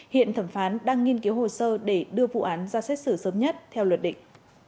hiện thẩm phán đang nghiên cứu hồ sơ để đưa vụ án ra xét xử sớm nhất theo luật định